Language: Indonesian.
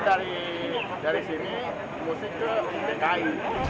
dari sini musik ke dki